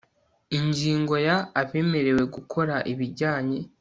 ingingo ya abemerewe gukora ibijyanye